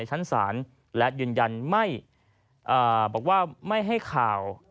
ชั้นศาลและยืนยันไม่บอกว่าไม่ให้ข่าว